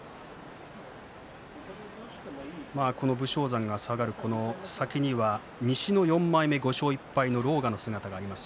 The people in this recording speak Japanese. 武将山が下がる先に西の４枚目狼雅の姿があります。